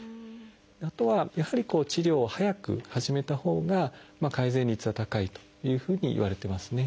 あとはやはり治療を早く始めたほうが改善率は高いというふうにいわれてますね。